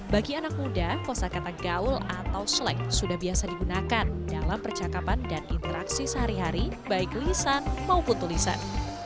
bagi anak muda kosa kata gaul atau slack sudah biasa digunakan dalam percakapan dan interaksi sehari hari baik lisan maupun tulisan